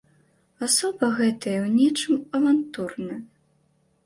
Асоба гэтая ў нечым авантурная.